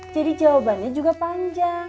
jadi jawabannya juga panjang